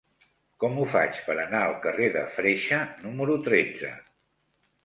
Com ho faig per anar al carrer de Freixa número tretze?